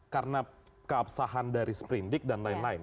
karena keabsahan dari sprindik dan lain lain